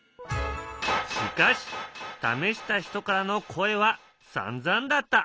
しかし試した人からの声はさんざんだった。